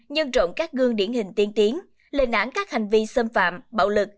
nhân rộng các gương điển hình tiên tiến lên án các hành vi xâm phạm bạo lực